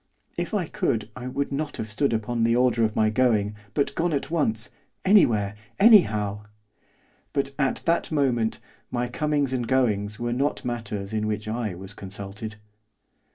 If I could I would not have stood upon the order of my going, but gone at once, anywhere, anyhow; but, at that moment, my comings and goings were not matters in which I was consulted.